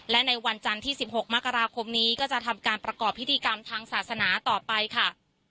และในวันจันทร์ที่๑๖มกราคมนี้ก็จะทำการประกอบพิธีกรรมทางศาสนาต่อไปค่ะ